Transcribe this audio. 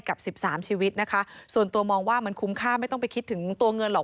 กับสิบสามชีวิตนะคะส่วนตัวมองว่ามันคุ้มค่าไม่ต้องไปคิดถึงตัวเงินหรอก